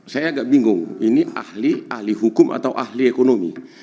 saya agak bingung ini ahli ahli hukum atau ahli ekonomi